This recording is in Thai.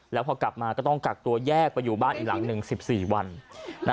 แล้วพอกลับมาก็ต้องกักตัวแยกไปอยู่บ้านอีกหลังหนึ่ง๑๔วัน